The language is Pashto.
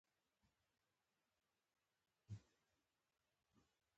یوې جینۍ وویل چې دا فلیریک دی.